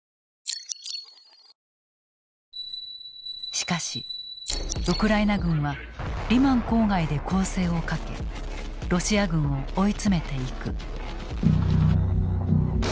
しかしウクライナ軍はリマン郊外で攻勢をかけロシア軍を追い詰めていく。